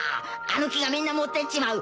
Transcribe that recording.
あの木がみんな持ってっちまう！